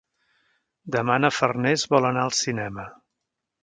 Demà na Farners vol anar al cinema.